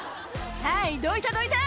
「はいどいたどいた！